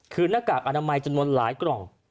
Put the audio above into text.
คือหน้ากากอนามัยจำนวนหลายกล่อง